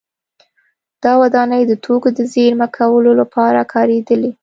دا ودانۍ د توکو د زېرمه کولو لپاره کارېدلې